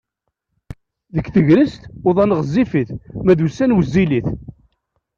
Deg tegrest uḍan ɣezzifit ma d ussan wezzilit.